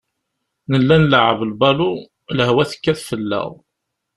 Nella nleɛɛeb lbalu, lehwa tekkat fell-aɣ.